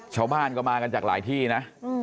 ชาวบ้านก็มากันจากหลายที่นะ